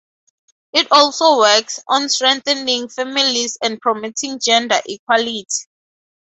It also works on strengthening families and promoting gender equality.